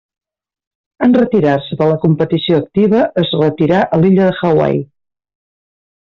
En retirar-se de la competició activa es retirà a l'illa de Hawaii.